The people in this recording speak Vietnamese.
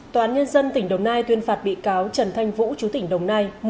tòa án nhân dân tỉnh đồng nai tuyên phạt bị cáo trần thanh vũ chú tỉnh đồng nai